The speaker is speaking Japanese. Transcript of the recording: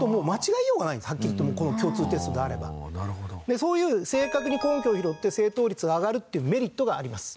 そういう正確に根拠を拾って正答率が上がるっていうメリットがあります。